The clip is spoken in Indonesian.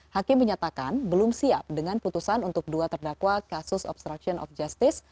hakim menyatakan belum siap dengan putusan untuk dua terdakwa kasus obstruction of justice